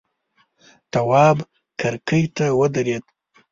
تواب کرکۍ ته ودرېد.